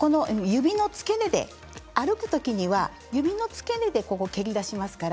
指の付け根で歩くときには指の付け根で蹴り出しますね。